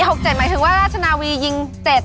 หมายถึงว่าราชนาวียิง๗